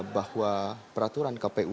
bahwa peraturan kpu